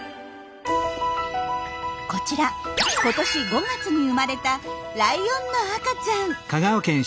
こちら今年５月に生まれたライオンの赤ちゃん！